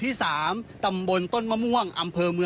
นี่แหละนี่แหละนี่แหละนี่แหละ